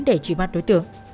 để trụi bắt đối tượng